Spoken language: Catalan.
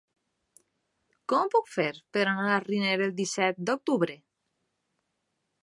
Com ho puc fer per anar a Riner el disset d'octubre?